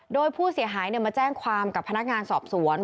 โดยผู้เสียหายมาแจ้งความกับพนักงานสอบสวน